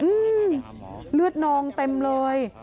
อืมเลือดนองเต็มเลย